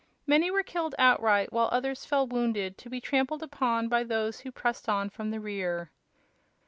Many were killed outright, while others fell wounded to be trampled upon by those who pressed on from the rear.